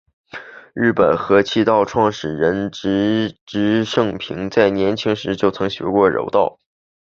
日本合气道创始人植芝盛平在年轻时就曾学过柔道。